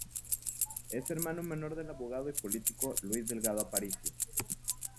Es hermano menor del abogado y político Luis Delgado Aparicio.